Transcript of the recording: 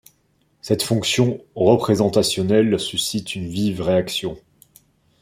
Cette fonction représentationnelle suscite une vive réaction.